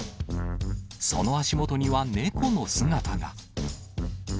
その足元には猫の姿が。